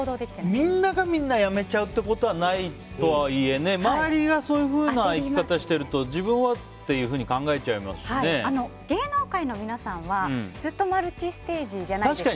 みんながみんな辞めちゃうということはないとはいえ周りが、そういうふうな生き方をしていると芸能界の皆さんはずっとマルチステージじゃないですか。